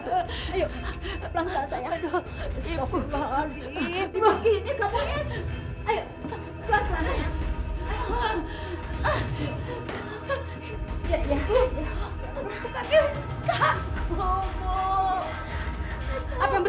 tidak ada yang mendengar teriakan ibu